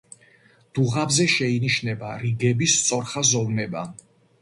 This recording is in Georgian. დუღაბზე შეინიშნება რიგების სწორხაზოვნება.